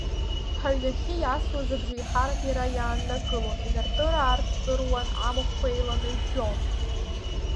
Ҳаҩнахьы иасуаз абжеиҳарак иара иааннакылон, инартыр-аартыруан, амахәқәа еиланажәжәон.